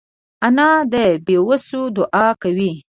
انا د بېوسو دعا کوي